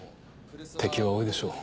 敵は多いでしょう。